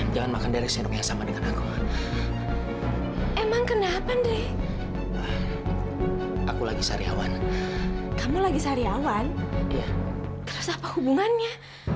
sampai jumpa di video selanjutnya